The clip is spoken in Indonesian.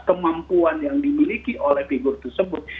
kemampuan yang dimiliki oleh figur tersebut